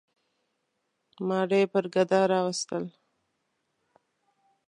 ماره یي پر ګډا راوستل.